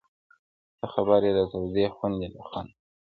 ته خبر یې د تودې خوني له خونده؟!!